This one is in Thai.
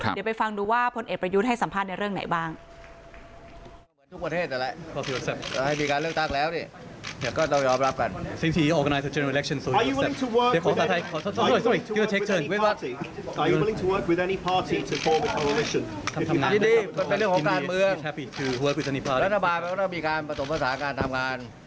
เดี๋ยวไปฟังดูว่าพลเอกประยุทธ์ให้สัมภาษณ์ในเรื่องไหนบ้าง